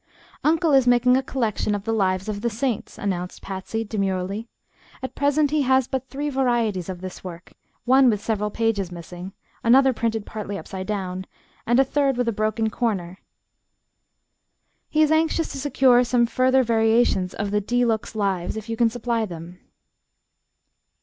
"Uncle is making a collection of the 'Lives of the Saints.'" announced Patsy, demurely. "At present he has but three varieties of this work, one with several pages missing, another printed partly upside down, and a third with a broken corner. He is anxious to secure some further variations of the 'dee looks' Lives, if you can supply them."